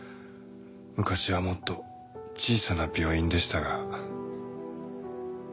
昔はもっと小さな病院でしたが。